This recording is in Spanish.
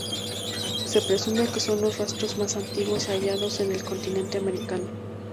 Se presume que son los rastros más antiguos hallados en el continente americano.